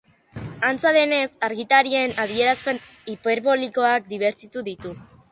Antza denez, agintariaren adierazpen hiperbolikoak dibertitu ditu.